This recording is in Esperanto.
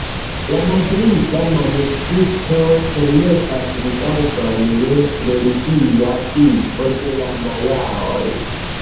La Madrida manuskripto permesas rigardon je religia vivo de la majaoj.